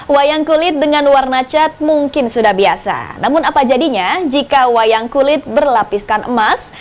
wayang kulit dengan warna cat mungkin sudah biasa namun apa jadinya jika wayang kulit berlapiskan emas